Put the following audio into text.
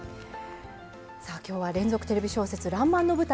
今日は連続テレビ小説「らんまん」の舞台